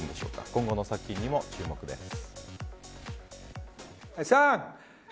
今後の作品にも注目です。